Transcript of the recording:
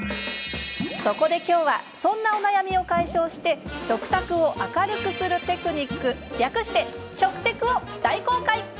そこできょうはそんなお悩みを解消して食卓を明るくするテクニック略して、食テクを大公開。